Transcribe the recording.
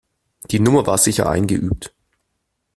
Die Nummer war sicher eingeübt.